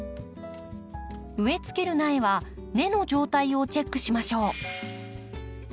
植えつける苗は根の状態をチェックしましょう。